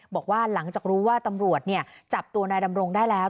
บอกว่าหลังจากรู้ว่าตำรวจจับตัวนายดำรงได้แล้ว